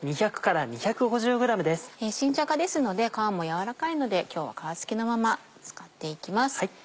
新じゃがですので皮も柔らかいので今日は皮付きのまま使っていきます。